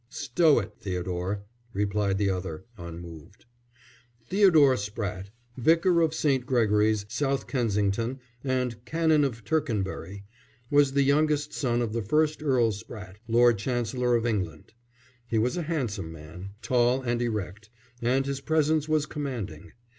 "Stow it, Theodore," replied the other, unmoved. Theodore Spratte, Vicar of St. Gregory's, South Kensington, and Canon of Tercanbury, was the youngest son of the first Earl Spratte, Lord Chancellor of England. He was a handsome man, tall and erect; and his presence was commanding.